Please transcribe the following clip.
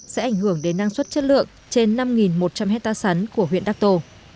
sẽ ảnh hưởng đến năng suất chất lượng trên năm một trăm linh hectare sắn của huyện đắc tô